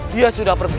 dia sudah pergi